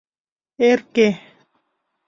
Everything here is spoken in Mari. Эрке!